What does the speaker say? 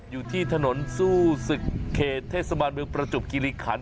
อยู่ที่ถนนซู่ซึเกเทสมันเมืองประจุบกิริขัน